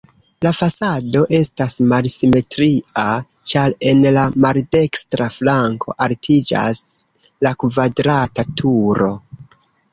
La fasado estas malsimetria, ĉar en la maldekstra flanko altiĝas la kvadrata turo.